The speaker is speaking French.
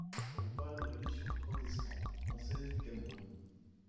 On parlait de la Mission protestante française du Cameroun.